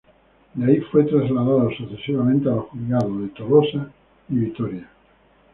De ahí fue trasladado sucesivamente a los juzgados de Tolosa y Vitoria.